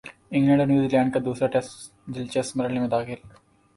England اور New Zealand دوسرا test دلچسپ مرحلے میں داخل